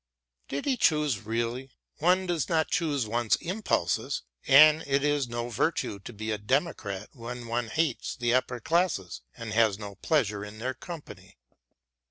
Did he choose really? One does not choose one's impulses, and it is no virtue to be a democrat when one hates the upper classes and has no pleasure in their company.